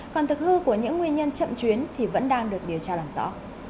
còn thực hư của những nguyên nhân chậm chuyến thì vẫn đang được điều tra làm rõ